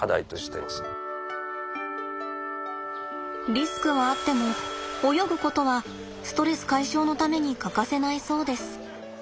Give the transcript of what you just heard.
リスクはあっても泳ぐことはストレス解消のために欠かせないそうです。